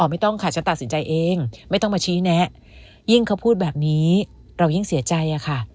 ไม่ต้องค่ะฉันตัดสินใจเองไม่ต้องมาชี้แนะยิ่งเขาพูดแบบนี้เรายิ่งเสียใจอะค่ะ